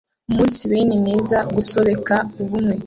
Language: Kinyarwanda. umunsibene neze, gusobeke ubumwe,